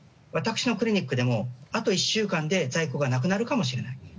私のクリニックでもあと１週間で在庫がなくなるかもしれない。